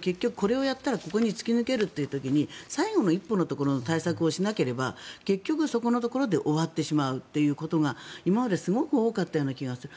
結局これをやったらここに突き抜けるという時に最後の一歩のところの対策をしないと結局、そこのところで終わってしまうってことが今まですごく多かったような気がする。